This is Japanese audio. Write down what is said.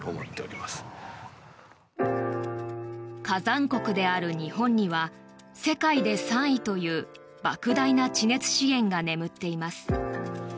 火山国である日本には世界で３位というばく大な地熱資源が眠っています。